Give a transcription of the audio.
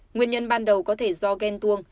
nguyên nhân ban đầu có thể do ghen tuông